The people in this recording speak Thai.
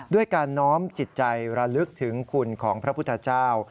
ด้วยการน้อมจิตใจระลึกถึงคุณของพระพุทธเจ้า